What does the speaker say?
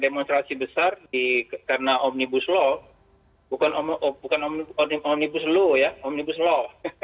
demonstrasi besar karena omnibus law bukan omnibus law ya omnibus law